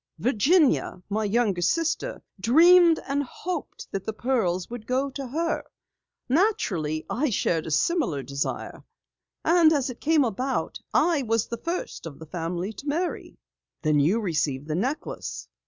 Virginia, my younger sister, dreamed and hoped that the pearls would go to her. Naturally, I shared a similar desire. As it came about, I was the first of the family to marry." "Then you received the necklace?"